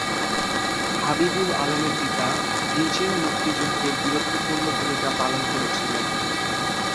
হাবিবুল আলমের পিতা নিজেও মুক্তিযুদ্ধে বীরত্বপূর্ণ ভূমিকা পালন করেছিলেন।